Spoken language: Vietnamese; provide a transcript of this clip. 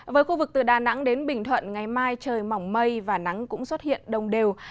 với khu vực từ đà nẵng đến bình thuận ngày mai trời mỏng mây và nắng cũng xuất hiện đồng đều